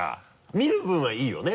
見る分はいいよね？